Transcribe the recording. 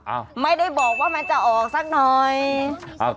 ไม่ได้บอกว่ามันจะออกสักหน่อย